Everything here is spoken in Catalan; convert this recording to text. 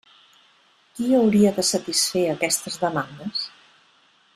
Qui hauria de satisfer aquestes demandes?